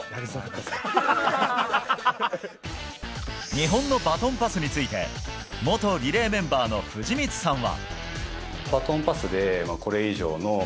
日本のバトンパスについて元リレーメンバーの藤光さんは。